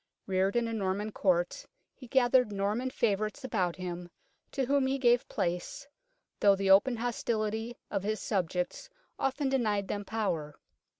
Reared in a Norman Court, he gathered Norman favourites about him, to whom he gave place, though the open hostility of his subjects often denied them power.